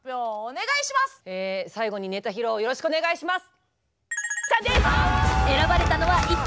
え最後にネタ披露よろしくお願いします！